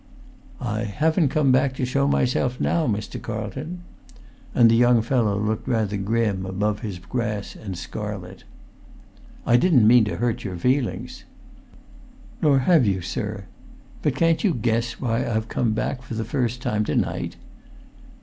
"I haven't come back to show myself now, Mr. Carlton." And the young fellow looked rather grim above his brass and scarlet. "I didn't mean to hurt your feelings." "Nor have you, sir. But can't you guess why I've come back for the first time to night?"